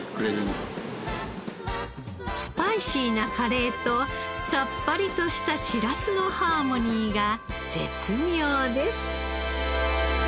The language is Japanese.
スパイシーなカレーとさっぱりとしたしらすのハーモニーが絶妙です。